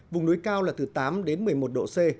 vùng núi cao là từ tám đến một mươi một độ c